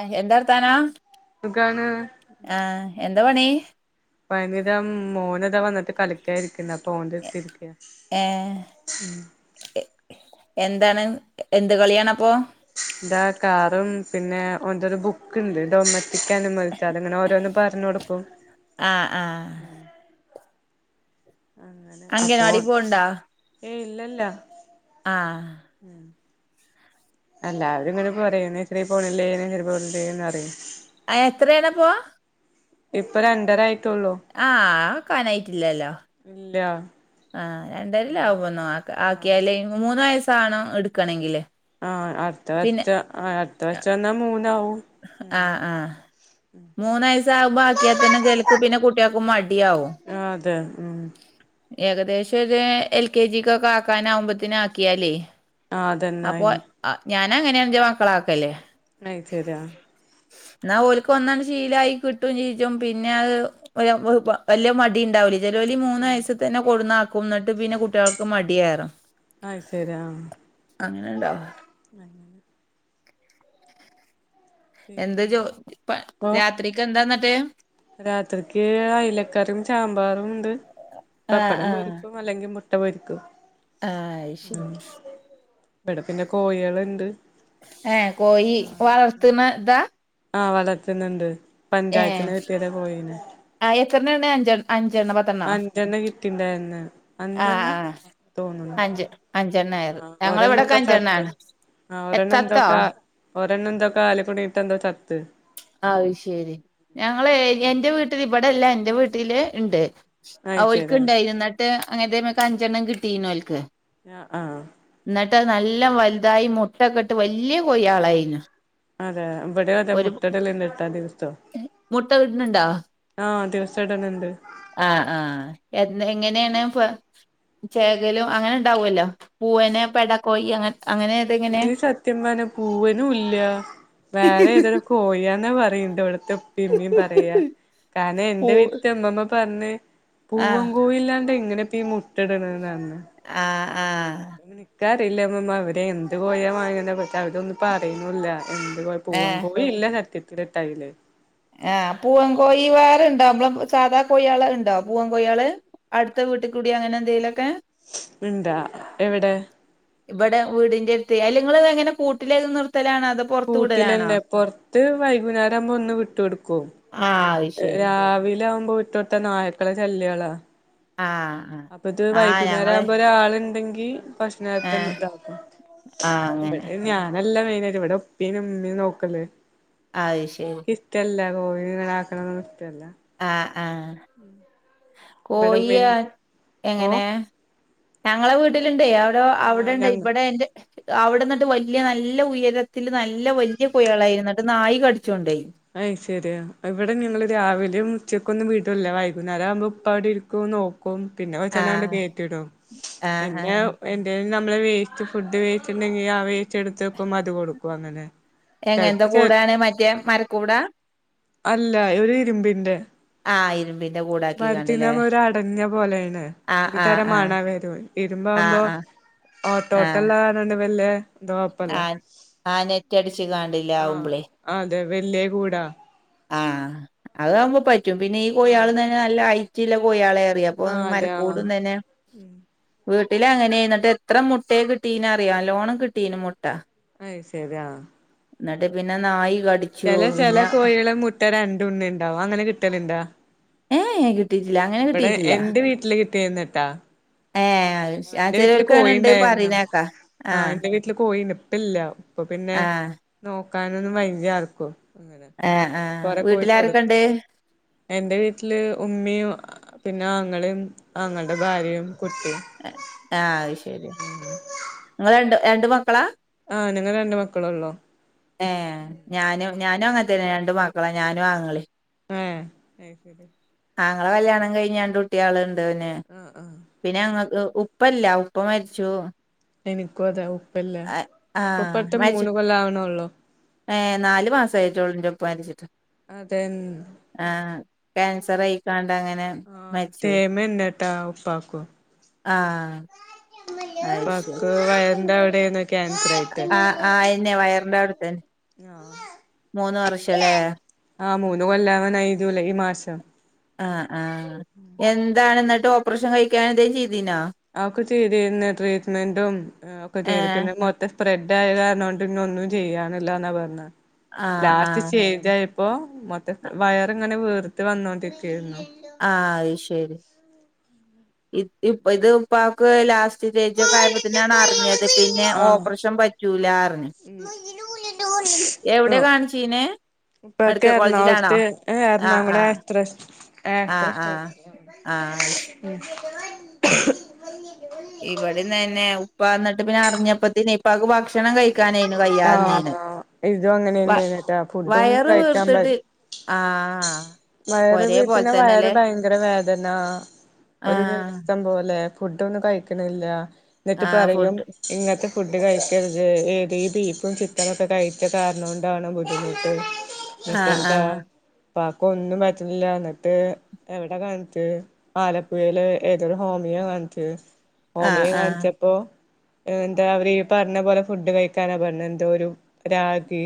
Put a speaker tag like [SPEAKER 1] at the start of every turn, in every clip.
[SPEAKER 1] A എന്താർത്താനാ
[SPEAKER 2] സുഖാണ്
[SPEAKER 1] ആ എന്താ പണി
[SPEAKER 2] പണിതം മോനി ഇതാ വന്നിട്ട് കളിക്കരിക്കുന്ന അപ്പൊ ഓന്റ്ടുത്തിരിക്യാ
[SPEAKER 1] ഏഹ് എ എന്താണ് എന്ത് കളിയണ് അപ്പൊ
[SPEAKER 2] ന്താ കാറും പിന്നെ ഓന്റെ ഒരു ബുക്ക്ണ്ട് ഡൊമസ്റ്റിക് അനിമൽസ് ച്ച് അതിങ്ങനെ ഓരോന്ന് പറഞ് കൊടുക്കും
[SPEAKER 1] ആഹ് ആഹ്
[SPEAKER 2] അങ്ങനെ അപ്പോ
[SPEAKER 1] അങ്ങനവാടി പോണ്ടാ
[SPEAKER 2] ഏയ് ഇല്ലല്ല
[SPEAKER 1] ആഹ്
[SPEAKER 2] ഉം എല്ലാവരും ഇങ്ങനെ പറയണ് നെയ്സറി പോണില്ലേ നെയ്സറി പോണില്ലേന്ന് പറയ.
[SPEAKER 1] ആഹ് എത്രേണപോ
[SPEAKER 2] ഇപ്പ രണ്ടരായിട്ടുള്ളൂ
[SPEAKER 1] ആ കാനായിട്ടില്ലല്ലോ
[SPEAKER 2] ഇല്ല
[SPEAKER 1] ആ രണ്ടരലെ ആവുഒന്ന് അക്ക
[SPEAKER 2] ആഹ്
[SPEAKER 1] ആക്കിയാല് മൂന്ന് വയസ്സാണോ എടുക്കണെങ്കില്
[SPEAKER 2] ആ അടുത്ത
[SPEAKER 1] പിന്നെ
[SPEAKER 2] വർച്ച ആ അടുത്ത വർച്ചം എന്നാമുന്നാവും
[SPEAKER 1] ആഹ് ആഹ് മൂന്നയസ്സാവുമ്പോ ആക്കിയാ തന്നെ ചെലക്ക് പിന്നെ കുട്ടിയക്ക് മടിയാവും
[SPEAKER 2] ടെ ഉം
[SPEAKER 1] ഏകദേശഒര് എൽ. കെ. ജികൊക്കെ ആക്കാനാകുമ്പത്തെന് ആക്കിയാലേ
[SPEAKER 2] ആഹ് അതന്നെ
[SPEAKER 1] അപ്പൊ
[SPEAKER 2] അയ്
[SPEAKER 1] അ ഞാനങ്ങന എൻ്റെ മക്കള ആക്കല്
[SPEAKER 2] അയ്ശര്യാ
[SPEAKER 1] ന്നാ ഓൽക്ക് ഒന്നണ് ശീലായി കിട്ടുംചെജും പിന്നെത് ഒരു വല്യ മടി ഉണ്ടാവൂലെ ചെലോലി മൂന്ന്
[SPEAKER 2] ഉം
[SPEAKER 1] വയസ്തന്നെ കൊടുന്നാക്കും ന്നിട്ട് പിന്നെ കുട്ടിൾക്ക് മടിയേറും
[SPEAKER 2] അഹ് ശരി ആഹ്
[SPEAKER 1] അങ്ങനെ ഉണ്ടാവാർ
[SPEAKER 2] അങ്ങനെ
[SPEAKER 1] എന്താ ജോ
[SPEAKER 2] പിന്നെ
[SPEAKER 1] പ
[SPEAKER 2] ഇപ്പൊ
[SPEAKER 1] രാത്രിക്ക്എന്താന്നട്ട്
[SPEAKER 2] രാത്രിക്ക് ഐലക്കറിം സാമ്പാറുണ്ട്
[SPEAKER 1] ആഹ് ആഹ്
[SPEAKER 2] പപ്പടംപൊരിക്കും അല്ലെങ്കി മുട്ടപൊരിക്കും
[SPEAKER 1] ആഹ് അത് ശരി
[SPEAKER 2] ഇബടെ പിന്നെ കോഴിള്ണ്ട്
[SPEAKER 1] ഏ കോയി വളർത്ത്ണ്താ
[SPEAKER 2] ആ വളർത്ത്ന്ന്ണ്ട് പഞ്ചായത്തിന്ന് കിട്ടീയതാ കോയിനെ
[SPEAKER 1] ആ എത്രണ്ണണ്ട് അഞ് അഞ്ചെണ്ണം പ
[SPEAKER 2] അഞ്ചെണ്ണ കിട്ടിണ്ടായിര്ന്ന്
[SPEAKER 1] ആഹ്
[SPEAKER 2] അഞ്ചെണ്ണ
[SPEAKER 1] ആഹ്
[SPEAKER 2] തോന്നുണു
[SPEAKER 1] അഞ്ച് അഞ്ചെണ്ണായത്
[SPEAKER 2] ആ
[SPEAKER 1] ഞങ്ങളെ
[SPEAKER 2] ഓരെണ്ണ
[SPEAKER 1] ഇവിടൊക്കെ
[SPEAKER 2] ചത്ത്
[SPEAKER 1] അഞ്ചെണ്ണാണ്
[SPEAKER 2] ആ
[SPEAKER 1] എ-
[SPEAKER 2] ഓരെണ്ണന്തോ
[SPEAKER 1] ചത്തോ
[SPEAKER 2] കാ ഒരെണ്ണന്തോ കാലിക്കുടിങ്ങിട്ടന്തോ ചത്ത്
[SPEAKER 1] അഹ് ശരി ഞങ്ങള് എൻ്റെ വീട്ടില് ഇവടെല്ല എൻ്റെവീട്ടില് ണ്ട്
[SPEAKER 2] അത് ശരി
[SPEAKER 1] ഓൽക്ക്ണ്ടായിനി ന്നട്ട് അങ്ങനത്തെമക്ക് അഞ്ചെണ്ണം കിട്ടീനോൽക്ക്
[SPEAKER 2] ആഹ് ആഹ്
[SPEAKER 1] ന്നട്ടത് നല്ല വൽതായി മുട്ടക്കെട്ട് വല്യകോഴീളായിണ്
[SPEAKER 2] അതെ വിടെ അതെ മുട്ടടല്ണ്ട്ട്ടൊ അധികദിവസം
[SPEAKER 1] മുട്ട ഇട്ണുണ്ടോ
[SPEAKER 2] ആ ദിവസടല്ണ്ട്
[SPEAKER 1] ആഹ് ആഹ് എ എങ്ങനെണ് പൊ ചേകലും അങ്ങനെണ്ടാവുല്ലോ പൂവന് പെടക്കോയി അ അങ്ങനെ അതെങ്ങനെ
[SPEAKER 2] ഇതീ സത്യം പറഞ്ഞാ പൂവനുല്ല വേറെഏതരു കോഴിന്നാ പറയ്ണ്ട് ഇവിട്ത്തെ പ്പി ഇമ്മീ പറയാ കാരണ
[SPEAKER 1] പൂ
[SPEAKER 2] എന്റെവീട്ടിത്തെ ഇമ്മമ്മ പർഞ്ഞ് പൂവം
[SPEAKER 1] ആഹ്
[SPEAKER 2] കോയില്ലാണ്ട് എങ്ങനെപ്പഈ മുട്ടട്ണന്നാന്ന്
[SPEAKER 1] ആഹ് ആഹ്
[SPEAKER 2] അപ്പൊപിന്നെ ഇക്കറില്ല ഇമമ്മ അവര് എന്ത് കോഴിവാങ്ങണത് പക്ഷെ അവരൊന്നു പറിണുല്ല എന്ത് പൂവാൻ
[SPEAKER 1] ഏഹ്
[SPEAKER 2] കോഴില്ല സത്യത്തില് ഇട്ടഅതില്
[SPEAKER 1] ആഹ് പൂവൻ കോഴി വാറണ്ടോ നമ്മള സാധാകോഴി ആള്ണ്ടോ പൂവൻകോഴാള് അടുത്ത വീട്ടികൂടി അങ്ങനെഎന്തെലൊക്കെ
[SPEAKER 2] ഇണ്ടോ എവിടെ
[SPEAKER 1] ഇവടെ വീടിന്റെട്ത്ത് അല്ലെങ്ങള്തെങ്ങനെ കൂട്ടിലേ നിർത്തലാണ് അതോ പുറത്ത് വിടലാണോ
[SPEAKER 2] കൂട്ടിലന്നെ പൊർത്ത് വൈകുന്നേരാകുമ്പോ ഒന്ന് വിട്ടൊട്ക്കും
[SPEAKER 1] ആഹ് അത് ശരി
[SPEAKER 2] രാവിലാവുമ്പോ വിട്ടൊട്ത്താ നായ്ക്കളെ ശല്യങ്ങളാ
[SPEAKER 1] ആഹ് ആഹ്
[SPEAKER 2] അപ്പൊത്
[SPEAKER 1] ആഹ് ഞങ്ങള്
[SPEAKER 2] വൈകുന്നേരാവുമ്പൊ ഒരാളുണ്ടെങ്കി ഭക്ഷണതൻ
[SPEAKER 1] ആഹ്
[SPEAKER 2] താക്കും
[SPEAKER 1] ആഹ് അങ്ങനെ
[SPEAKER 2] ഇവിടെ ഞാ നല്ല വെയിന്നേര ഇവിടെ ഉപ്പിനുഉമ്മീ നോക്കല്
[SPEAKER 1] അത് ശരി
[SPEAKER 2] ഇൻക്കി ഷ്ടല്ല കോഴീങ്ങനക്കണതൊന്നും ഇഷ്ടല്ല
[SPEAKER 1] ആഹ് ആഹ്
[SPEAKER 2] ഇവിടെ ഉമ്മേം
[SPEAKER 1] കോഴിയാ
[SPEAKER 2] ഓ
[SPEAKER 1] എങ്ങനെ ഞങ്ങളെ വീട്ട്ല്ണ്ട് ആരോ
[SPEAKER 2] ആഹ്
[SPEAKER 1] അവിടെണ്ടെ
[SPEAKER 2] ഞങ്ങ
[SPEAKER 1] ഇവിടെ എന്റെ അവിടെന്നിട്ട് വല്യ നല്ലഉയരത്തില് നല്ല വല്യ കോയളായിരുന്നിട്ട് നായികടിച്ചൊണ്ടേയി
[SPEAKER 2] അയ് ശരി ഇവിടെ ഞങ്ങള് രാവിലെ ഉച്ചയ്ക്കൊന്നും വിടുല്ല വൈകുന്നേരാവുമ്പോ ഇപ്പ അവിടെ ഇരിക്കും നോ കും പിന്നെ കൊച്ചന്നാണ്ട്
[SPEAKER 1] ആഹ്
[SPEAKER 2] കേറ്റിടും
[SPEAKER 1] ആഹ്
[SPEAKER 2] എന്നെ
[SPEAKER 1] ആഹ്
[SPEAKER 2] എന്തേലും നമ്മള് വേസ്റ്റ് ഫുഡ് വേസ്റ്റ്ണ്ടെങ്കി ആ വേസ്റ്റ് എടുത്ത് വക്കുമ്പോ അത്കൊടുക്കും അങ്ങനെ
[SPEAKER 1] എങ്ങെൻതെ
[SPEAKER 2] ചെലപ്പോ ചെ
[SPEAKER 1] കൂടാണ് മറ്റേ മരക്കൂടാ
[SPEAKER 2] അല്ല ഒരു ഇരുമ്പിന്റെ
[SPEAKER 1] ആഹ് ഇരുമ്പിന്റെ കൂടാക്കിക്കാണ്ടില്ലേ
[SPEAKER 2] മരത്തീനാവുമ്മ ഒരു അടഞ്ഞെ പോലെണ്
[SPEAKER 1] ആഹ്
[SPEAKER 2] ഒരു
[SPEAKER 1] ആഹ്
[SPEAKER 2] തരം
[SPEAKER 1] ആഹ്
[SPEAKER 2] മണാ വരു യ് ഇരുമ്പ
[SPEAKER 1] ആഹ്
[SPEAKER 2] ആവുമ്പോ
[SPEAKER 1] ആഹ്
[SPEAKER 2] ഓട്ടോട്ടല്ല താണോണ്ട് വല്യ ഇത് കൊഴപ്പല്ല
[SPEAKER 1] ആൻ ആ നെറ്റടിച്ച് കാണ്ടില്ലെ ആവുമ്പളേ
[SPEAKER 2] ആ അതെ വല്യേ കൂടാ
[SPEAKER 1] ആഹ് അതാവുമ്പ പറ്റും പിന്നെ ഈ
[SPEAKER 2] ആഹ്
[SPEAKER 1] കൊയിയാള് തന്നെ നല്ല അയ്ററ് ള്ളകൊയിയാളെ എറിയ
[SPEAKER 2] ആഹ് അതെ ആഹ്
[SPEAKER 1] ഒന്ന്മരകൂടും തന്നെ വീട്ടില് അങ്ങയ്ന്ന് എത്ര മുട്ടെ കിട്ടീന അറിയാ നല്ലോണം കിട്ടീനിം മുട്ട
[SPEAKER 2] അയ് ശരി ആ
[SPEAKER 1] ഇന്നട്ട് പിന്നെ നായി കടി
[SPEAKER 2] ചെലെ ചെലെ കോഴികളെ മുട്ട രണ്ട് ഉണ്ണിണ്ടാവും അങ്ങനെ കിട്ടല്ണ്ടാ?
[SPEAKER 1] ഏഹ് ഏ കിട്ട്
[SPEAKER 2] ഇവടെ എന്റെ വീട്ടില് കിട്ടിയേന്നുട്ട
[SPEAKER 1] ഏഹ് അ
[SPEAKER 2] ആ എന്റെ വീട്ടില് കോഴിണ്ടായിന്നു ആഹ് എന്റെ വീട്ടില് കോഴിണ്ട് പ്പല്ല ഇപ്പൊ പിന്നെ
[SPEAKER 1] ആഹ്
[SPEAKER 2] നോക്കാനൊന്നും വയ്യആർക്കും അങ്ങനെ
[SPEAKER 1] ആഹ് ആഹ്
[SPEAKER 2] കൊറെ കോയി
[SPEAKER 1] വീട്ടിലാരൊക്കെ
[SPEAKER 2] കൊടുത്ത്
[SPEAKER 1] ഉണ്ട്
[SPEAKER 2] എന്റെ വീട്ടില് ഉമ്മീം പിന്നെ അങ്ങളേം ആങ്ങളന്റെഭാര്യ കുട്ടീം
[SPEAKER 1] ആഹ് അത് ശരി ഇങ്ങള് രണ്ട് രണ്ട് മക്കളാ
[SPEAKER 2] ആഹ് ഞങ്ങള് രണ്ട് മക്കളൊള്ളൂ
[SPEAKER 1] ഏഹ് ഞാനും ഞാനും അങ്ങൻത്തെന്ന രണ്ടു മക്കളാ ഞാനും അങ്ങളീം
[SPEAKER 2] ഏഹ്
[SPEAKER 1] ആങ്ങളെ കല്യാണം കഴിഞ്ഞ് അണ്ട് കുട്ടൃളുണ്ട് ഓന്
[SPEAKER 2] ആഹ് ആഹ്
[SPEAKER 1] പിന്നെ അങ്ങക്ക് ഉപ്പല്ല ഉപ്പ മരിച്ചു
[SPEAKER 2] എനിക്കും അതെ ഉപ്പല്ല
[SPEAKER 1] അ ആഹ്
[SPEAKER 2] ഉപ്പഴത്തെ മൂന്ന് കൊല്ലം ആക്ണൊള്ളു
[SPEAKER 1] ഏ നാല് മാസയിറ്റൊള്ളുന്റെപ്പ മരിച്ചിട്ട്
[SPEAKER 2] അതെന്ന്
[SPEAKER 1] ആഹ് ക്യാൻസർയിക്കാണ്ട് അങ്ങനെ
[SPEAKER 2] ആഹ്
[SPEAKER 1] മരിച്ചു പോയി.
[SPEAKER 2] തേമന്നട്ടാ ഉപ്പാക്കും
[SPEAKER 1] ആഹ് അയ്ശരി
[SPEAKER 2] പ്പാക്ക് വയറിന്റ അവിടെനു ക്യാൻസറേ
[SPEAKER 1] ആഹ് ആഹ് അയന്നെ വയർന്റെ അവിടുത്തന്നെ
[SPEAKER 2] ആഹ് ആ മൂന്ന് കൊല്ലവാനായി ജൂലൈ ഈ മാസം
[SPEAKER 1] ആ ആഹ് എന്താണ് ഇന്നട്ട് ഓപ്പറേഷൻ കഴിക്കാനെന്തെങ്കിലും ചെയ്തീനോ
[SPEAKER 2] ആ ഒക്കെ ചെയ്തേന്ന് ട്രീറ്റ്മെന്റും ഒക്കെ ചെയ്തു
[SPEAKER 1] ഏഹ്
[SPEAKER 2] പിന്നെ മൊ സ്പ്രെഡ് ആയകാരാണോണ്ട് ഇഞൊന്നും ചെയ്യനില്ലാന്നാ പറഞ്ഞെ
[SPEAKER 1] ആഹ്
[SPEAKER 2] ലാസ്റ്റ്
[SPEAKER 1] ആഹ്
[SPEAKER 2] സ്റ്റേജ പ്പൊ മൊത്തത്ത് വയർ ഇങ്ങനെ വീർത്ത് വന്നോണ്ടിരിക്കെയിരുന്നു
[SPEAKER 1] ആഹ് അത് ശരി ഇ ഇപ്പ ഇത് ഇപ്പാക്ക് ലാസ്റ്റ് സ്റ്റേജ് ഒക്കെ ആയപ്പത്തിനാണ് അർഞ്ഞത് പിന്നെ
[SPEAKER 2] ആഹ്
[SPEAKER 1] ഓപ്റേഷം പറ്റൂല അർഞ്ഞു.
[SPEAKER 2] [inaudible]
[SPEAKER 1] എവ്ടെ കാണ്ച്ചീനെ?
[SPEAKER 2] ഇപ്പൊഴത്തെ എറണകുളത്തെ ഏഹ് ഏ
[SPEAKER 1] ആഹ്
[SPEAKER 2] എർണാകുളം
[SPEAKER 1] ആഹ്
[SPEAKER 2] ആതൃഷ്
[SPEAKER 1] ആഹ്
[SPEAKER 2] ഏതൃഷ്
[SPEAKER 1] ആഹ് ആഹ് അത്ശെ.
[SPEAKER 2] ഉം.
[SPEAKER 1] ഇവടിം തന്നെ ഉപ്പ ഇന്നട്ട് പിന്നെ അറിഞ്ഞപ്പത്തിനെ ഇപ്പാക്ക് ഭക്ഷണം കയ് ക്കാനേനു കയ്യാതെന്നീൻ
[SPEAKER 2] ആഹ് ഇതും അങ്ങനെ
[SPEAKER 1] വ
[SPEAKER 2] തന്നെയാണട്ടാ ഫുഡൊന്നും
[SPEAKER 1] വയറ്
[SPEAKER 2] കഴിക്കാൻ
[SPEAKER 1] വീർത്തിട്ട്.
[SPEAKER 2] പറ്റ
[SPEAKER 1] ആഹ് ഹ
[SPEAKER 2] വയറ് വീർത്ത്ണ് വയറ് ഭയങ്കര വേദന ഒരു
[SPEAKER 1] ആഹ്
[SPEAKER 2] വിമിഷ്ടം പോലെ. ഫുഡൊന്നും കഴിക്കണില്ല ഇന്നിട്ട്
[SPEAKER 1] ആഹ്
[SPEAKER 2] പറയും.
[SPEAKER 1] ഫുഡ്
[SPEAKER 2] ഇങ്ങത്തെ ഫുഡ് കയിക്കരുത് ഏടീ ബീഫും ചിക്കനൊക്കെ കയ്ച്ച കാരണം കൊണ്ടാണോ ബു ദ്ധിമുട്ട്.
[SPEAKER 1] ആ ആഹ്.
[SPEAKER 2] ഒന്നും പറ്റണില്ല എന്നിട്ട് എവിടെ കാണ്ച്ച്. ആലപ്പുഴയില് ഏതോ ഒരു ഹോമിയ കാണ്ച്ച്
[SPEAKER 1] ആഹ്
[SPEAKER 2] ഹോമിയ
[SPEAKER 1] ആഹ്
[SPEAKER 2] കാണ്ച്ചപ്പോ. അഎന്താ അവര് ഈ പർഞ്ഞ പോലെ ഫുഡ് കഴിക്കാനാ പറഞ്ഞത് എന്തോ ഒരു രാഗി.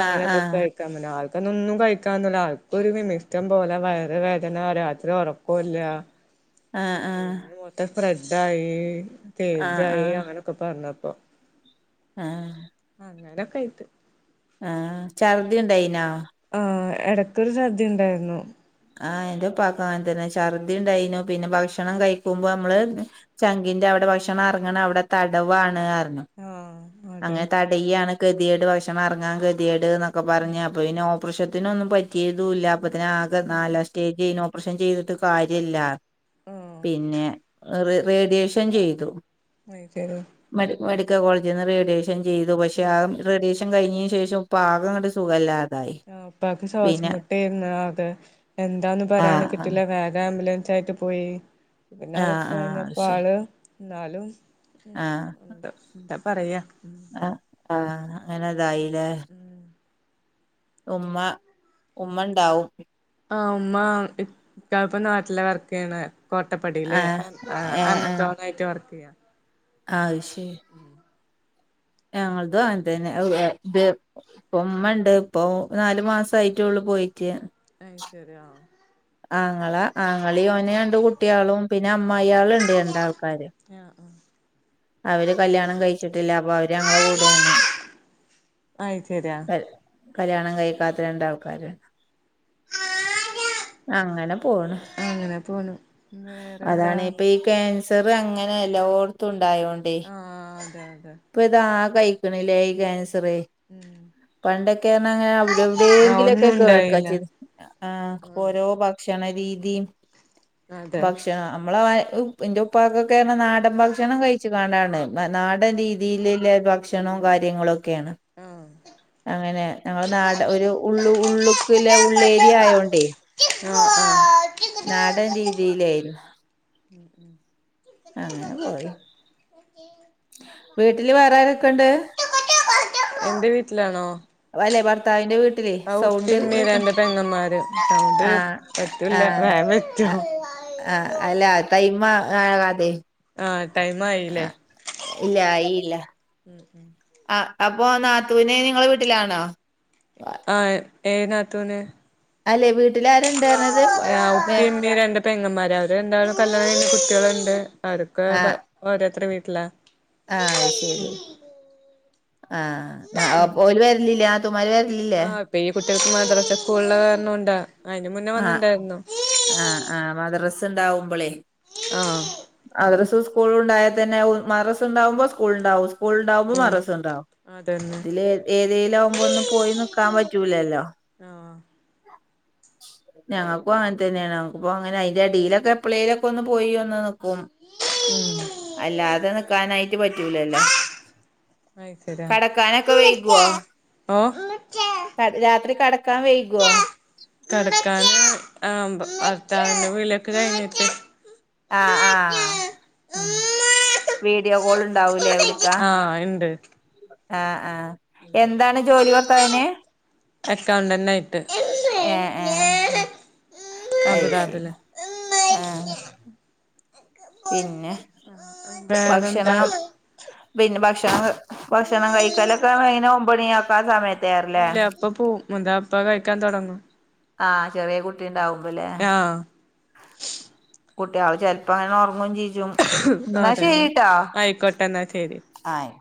[SPEAKER 1] ആഹ്
[SPEAKER 2] അങ്ങനെ ഇതൊക്കെ
[SPEAKER 1] ആഹ്
[SPEAKER 2] കഴിക്കാൻ പർഞ്ഞ് ആൾക്ക്തൊന്നും കഴിക്കാത്ത ഒരാൾ. ഒരു വിമിഷ്ടം പോലെ വയർ വേദന രാത്രി ഒറക്കുല്ല.
[SPEAKER 1] ആഹ്
[SPEAKER 2] പിന്നെ മൊത്തം സ്പ്രെഡായി
[SPEAKER 1] ആഹ്
[SPEAKER 2] സ്റ്റേജായി
[SPEAKER 1] ആഹ്
[SPEAKER 2] അങ്ങനൊക്കെ പറഞ്ഞപ്പോ.
[SPEAKER 1] ആഹ്.
[SPEAKER 2] അങ്ങനൊക്കെ ആയിട്ട്.
[SPEAKER 1] ആഹ് ഛർദി ഇണ്ടായിനോ?
[SPEAKER 2] ആ എടക്കൊരു ചർദി ഉണ്ടായിരുന്നു.
[SPEAKER 1] ആഹ് എന്റുപ്പാക്കു അങ്ങൻതന്നെ ഛർദ്ദി ഉണ്ടായിനു പിന്നെ ഭക്ഷണം കഴിക്കുമ്പോ അമ്മള്. ചങ്കിന്റെ അവിടെ ഭക്ഷണം എറങ്ങ്ണ അവിടെ തടവാണ് അർഞ്ഞു.
[SPEAKER 2] ആഹ് അതെ
[SPEAKER 1] അങ്ങനെ തടയാണ് കെതിയേട് ഭക്ഷണം എറങ്ങാൻ കെതിയേട് ന്നൊക്കെ
[SPEAKER 2] ഉം
[SPEAKER 1] പർഞ്ഞ് അപ്പൊ പിന്നെ ഓ പ്റേഷത്തിനൊന്നും പറ്റിയതുല്ല അപ്പത്തിനാകെ നാലാം സ്റ്റേജേനിം ഓപ്പ്റേഷൻ ചെയ്തിട്ട് കാര്യല്ല.
[SPEAKER 2] ആഹ്
[SPEAKER 1] പിന്നെ ഹ് റേഡിയേഷൻ ചെയ്തു.
[SPEAKER 2] വൈക്കരോ.
[SPEAKER 1] മെസ് മെഡ്ക്കൽ കോളേജിന്ന് റേഡിയേഷൻ ചെയ്തു പക്ഷെ ആ റേഡിയേഷ ൻ കഴിഞ്ഞിന് ശേഷം ഇപ്പാകങ്ങട്ട് സുഖംല്ലാ.
[SPEAKER 2] ആ ഉപ്പാക്ക് ശ്വാസം മുട്ടേര്ന്നു അത് എന്താന്ന് പറയാൻ
[SPEAKER 1] ആഹ് ആഹ്
[SPEAKER 2] കിട്ടില്ല വേഗ ആംബുലൻസ് ആയിട്ട് പോ പോയി പിന്നെ
[SPEAKER 1] ആഹ്
[SPEAKER 2] അതൊക്കെ
[SPEAKER 1] ആഹ്
[SPEAKER 2] കൈഞ്ഞപ്പോ
[SPEAKER 1] ശരി
[SPEAKER 2] ആള് എന്നാലും ഇണ്ട്. എന്താ പറയാ?
[SPEAKER 1] ആ ആഹ് അങ്ങനെ ഇതായിലെ. ഉമ്മ ഉമ്മ ഉണ്ടാവും.
[SPEAKER 2] ആഹ് ഉമ്മ ഇക്കപ്പം നാട്ടിലാ വർക്കെയ്ണ്. കോട്ടപ്പടിലെ
[SPEAKER 1] ആഹ്
[SPEAKER 2] അൻ ആ അന്തോന്നായിട്ട് വർക്കെയ്ണ്.
[SPEAKER 1] അഹ് ശെരി. ഞങ്ങള്തു അങ്ങൻതന്നെ. ഉപ്പമ്മണ്ട് ഇപ്പൊ നാലു മാസയിട്ടേ ഉള്ളു പയിട്ട്.
[SPEAKER 2] അഹ് ശെരി ആഹ്.
[SPEAKER 1] ആങ്ങളാ ആങ്ങളി ഓനെ രണ്ട് കുട്ടിയാളും പിന്നെ അമ്മായിയാള്ണ്ട് രണ്ടാൾക്കാര്.
[SPEAKER 2] ആഹ് ആഹ്‌.
[SPEAKER 1] അവര് കല്യാണം കഴിച്ച്ട്ട്ല്ല അപ്പൊ അവര് ഞങ്ങളെ
[SPEAKER 2] ആ
[SPEAKER 1] കൂടേണ്
[SPEAKER 2] അത് ശരിയാ
[SPEAKER 1] അഹ്. കല്യാണം കയ്ക്കാത്ത രണ്ടാൾക്കാര്ണ്ട്. അങ്ങനെ പോണ്
[SPEAKER 2] അങ്ങനെ പോണു വേറെന്താ
[SPEAKER 1] അതാണ് ഈ ഇപ്പ കേൻസ. സർ അങ്ങനെ എല്ലോട്ത്തും ഉണ്ടായോണ്ടേ.
[SPEAKER 2] ആഹ് അതെ അതെ.
[SPEAKER 1] ഇപ്പൊ ഇത് ആകെ ആയിക്കണില്ലേ ഈ ക്യാൻസറേ
[SPEAKER 2] ഉം
[SPEAKER 1] പണ്ടൊക്കെ അങ്ങനെ അവിടെ
[SPEAKER 2] ആ
[SPEAKER 1] എവിടെങ്കിലും ഒക്കെ
[SPEAKER 2] ഒന്നും
[SPEAKER 1] കേൾക്കാ
[SPEAKER 2] ഉണ്ടായില്ല
[SPEAKER 1] ചെയ്യു നേ ആഹ
[SPEAKER 2] ആ
[SPEAKER 1] ഓരോ ഭക്ഷണ രീതിയും
[SPEAKER 2] അതെ
[SPEAKER 1] ഭക്ഷണം നമ്മളെ എന്റെ ഉപ്പക്കൊക്കെ നാടൻ ഭക്ഷണം കഴിച്ചു കണ്ടാണ് നാടൻ രീതി ഭക്ഷണവു കാര്യങ്ങളോക്കെ
[SPEAKER 2] ആ
[SPEAKER 1] അങ്ങനെ ഞങ്ങടെ നാട ഒരു ഉള്ളു ഉള്ളുക്കല്ലെ ഉള്ളേരിയ ആയോണ്ടേ
[SPEAKER 2] ആഹ അ
[SPEAKER 1] നാടൻ രീതിയിലായിരുന്നു അങ്ങനെ പോയി വീട്ടില് വേറെ ആരൊക്കെയൊണ്ട്
[SPEAKER 2] എന്റെ വീട്ടിലാണോ
[SPEAKER 1] അല്ലെ ഭർത്താവിന്റെ വീട്ടിൽ ല്ലേ
[SPEAKER 2] ആ ഉപ്പി
[SPEAKER 1] സൗണ്ട്
[SPEAKER 2] ഉമ്മി
[SPEAKER 1] കേക്ക
[SPEAKER 2] രണ്ട് പെങ്ങന്മാര് സൗണ്ട്
[SPEAKER 1] ആഹ്
[SPEAKER 2] പറ്റൂല
[SPEAKER 1] ആഹ്
[SPEAKER 2] വേഗം വെച്ചോ
[SPEAKER 1] അഹ് ആഹ് അല്ല ടൈം ആകാതെ
[SPEAKER 2] ആഹ് ടൈം ആയി
[SPEAKER 1] ആഹ് ഇല്ല ആയില്ല ആഹ് അപ്പൊ നാത്തുനെ നിങ്ങളെ വീട്ടിലാണോ
[SPEAKER 2] ആഹ് ഏത്‌ നാത്തൂന
[SPEAKER 1] അല്ലെ വീട്ടിലരുണ്ടായിരുന്നത്
[SPEAKER 2] ആഹ്
[SPEAKER 1] വെ
[SPEAKER 2] ഉപ്പയും ഉമ്മയും രണ്ട് പെങ്ങന്മാര് അവര് രണ്ടും കല്ല്യണം കഴിഞ്ഞ് കുട്ട്യാളുണ്ട് അവരൊെക്ക ഓരോരു വീട്ടിലാ
[SPEAKER 1] ആഹ് ശരി ആഹ് ഒരു വരല്ലില്ല തുമ്മാർ വര് ലില്ലേ
[SPEAKER 2] ആഹ് ഇപ്പൊ ഈ കുട്ട്യാൾക്ക് മദ്രാസ സ്കൂൾ ഉള്ള കാരണം കൊണ്ട
[SPEAKER 1] ആഹ് ആഹ് ആഹ് മദ്രസ് ഉണ്ടാവുമ്പോളേ
[SPEAKER 2] ആഹ്
[SPEAKER 1] മദ്രസം സ്കൂളും ഉണ്ടായൽ തന്നെ മദ്രസം ഉണ്ടാവുമ്പോ സ്കൂള് ഉണ്ടാവും സ്കൂൾണ്ടാവുമ്പോ
[SPEAKER 2] ഉം
[SPEAKER 1] മദ്രസ ഇണ്ടാവും
[SPEAKER 2] അതന്നെ
[SPEAKER 1] ഇതില് ഏതെങ്കലും ആകുമ്പോ ഒന്നും പോയി നിക്കാൻ പറ്റൂലല്ലോ
[SPEAKER 2] ആഹ്
[SPEAKER 1] [inaudible] ഞങ്ങക്കും അങ്ങനെ തന്നെയാണ് അപ്പോ അങ്ങനെ അതിന്റെ ഇടിയിലൊക്കെ എപ്ളേയിങ്കിലൊക്കെ ഒന്ന് പോയി വന്ന് നിക്കും
[SPEAKER 2] ഉം
[SPEAKER 1] അല്ലാതെ നിക്കാനായിട്ട് പറ്റൂലല്ലോ
[SPEAKER 2] അയ്ശെരി
[SPEAKER 1] കടക്കാനൊക്കെ വൈകുവോ
[SPEAKER 2] ആഹ് ഓ
[SPEAKER 1] കട രാത്രി കടക്കാൻ വൈകുവോ
[SPEAKER 2] കടക്കാൻ ആംബ ഭർത്തവിന്റെ വിളിയൊക്കെ കഴിഞ്ഞിട്ട്
[SPEAKER 1] ആഹ് ആഹ്
[SPEAKER 2] ഉമ്മ ഹ
[SPEAKER 1] വീഡിയോ കോൾ ഉണ്ടാവൂ ലേ വിളിക്കാ
[SPEAKER 2] ആഹ് ഇണ്ട്
[SPEAKER 1] ആഹ് ആഹ് എന്താണ് ജോലി ഭർത്താവിന്
[SPEAKER 2] അക്കൗണ്ടന്റാ യിട്ട്
[SPEAKER 1] ഏഹ് ഏഹ് അയ് ശരി
[SPEAKER 2] അബുദാബില്
[SPEAKER 1] ആഹ് പിന്നെ
[SPEAKER 2] വേറെന്താ
[SPEAKER 1] ഭക്ഷണം പിന്നെ ഭക്ഷണം ഭക്ഷണം കഴിക്കലൊക്കെ വനെ ഒമ്പ മണിയ ആക്കാ ആ സമയത്ത്
[SPEAKER 2] ഇല്ല അപ്പ പോ എന്താ അപ്പ കഴിക്കാൻ തുടങ്ങും
[SPEAKER 1] ആഹ് ചെറിയ കുട്ടിണ്ടാവുമ്പോല്ലേ
[SPEAKER 2] ആഹ്
[SPEAKER 1] കുട്ട്യാൾ ചിലപ്പോ അങ്ങനെ ഉറങ്ങുംയും ചെയ്യും
[SPEAKER 2] അതന്നെ ആയിക്കോട്ടെന്ന ശരി
[SPEAKER 1] ആയി